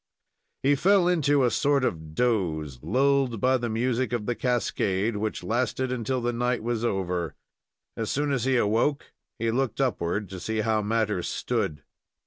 He fell into a sort of doze, lulled by the music of the cascade, which lasted until the night was over. As soon as he awoke, he looked upward to see how matters stood.